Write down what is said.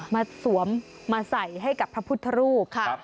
สวมมาใส่ให้กับพระพุทธรูปค่ะ